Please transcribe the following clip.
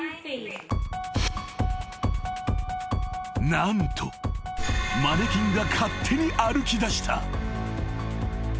［何とマネキンが勝手に歩きだした］